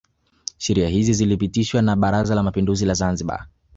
Sheria hizi zilithibitishwa na Baraza la Mapinduzi Zanzibar